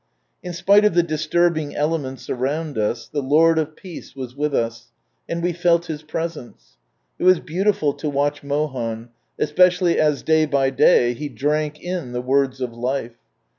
In spite of the disturbing elements around us, the I^rd of peace was with us, and we felt His presence. It was beautiful to watch Mohan, especially as, day by day, he drank in the words of life.